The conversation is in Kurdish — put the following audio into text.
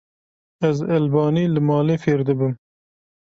Ez elbanî li malê fêr dibim.